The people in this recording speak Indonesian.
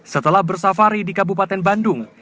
setelah bersafari di kabupaten bandung